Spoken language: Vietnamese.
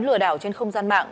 lừa đảo trên không gian mạng